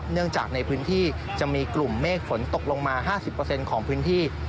เนื่องจากในพื้นที่จะมีกลุ่มเมฆฝนตกลงมา๕๐ของพื้นที่